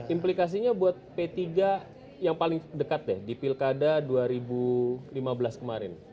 implikasinya buat p tiga yang paling dekat deh di pilkada dua ribu lima belas kemarin